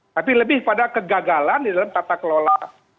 tapi lebih pada kegagalan di dalam tata kelola